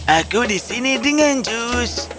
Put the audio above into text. aku di sini dengan jus